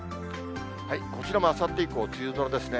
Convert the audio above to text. こちらもあさって以降、梅雨空ですね。